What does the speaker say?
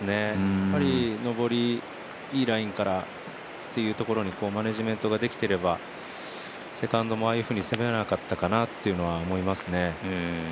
やっぱり上りいいラインから、というところにマネージメントができてればセカンドもああいうふうに攻めなかったかなという感じがします。